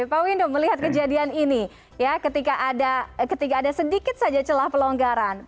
pak windu melihat kejadian ini ya ketika ada sedikit saja celah pelonggaran